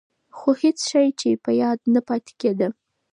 خو هېڅ شی یې په یاد نه پاتې کېده.